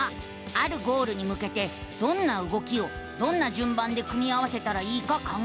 あるゴールにむけてどんな動きをどんなじゅんばんで組み合わせたらいいか考える。